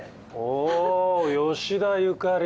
お吉田ゆかり。